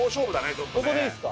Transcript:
ここでいいすか？